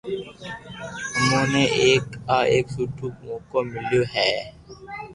امو نيي ايڪ آ ايڪ سٺو موقو ميليو ھي